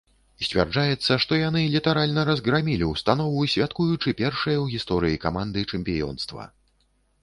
Сцвярджаецца, што яны літаральна разграмілі ўстанову, святкуючы першае ў гісторыі каманды чэмпіёнства.